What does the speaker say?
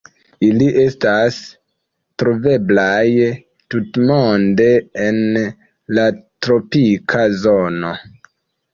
Ili estas troveblaj tutmonde en la tropika zono.